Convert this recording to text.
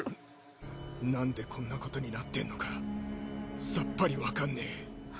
なんでこんなことになってんのかさっぱりわかんねえ。